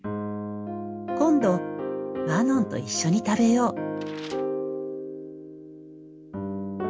今度マノンと一緒に食べよう。